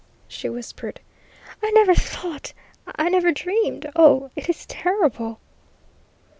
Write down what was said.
she whispered. "I never thought, I never dreamed oh, it is terrible!"